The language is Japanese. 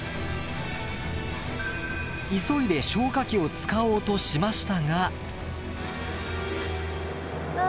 急いで消火器を使おうとしましたが。